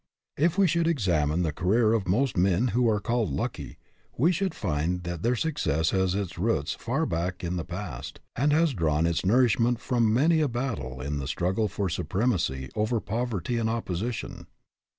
If we should examine the career of most men who are called lucky, we should find that their success has its roots far back in the past, and has drawn its nourishment from many a battle in the struggle for supremacy over poverty and oppo sition.